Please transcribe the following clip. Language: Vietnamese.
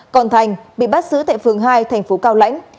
còn thành bị bắt giữ tại phường hai thành phố cao lãnh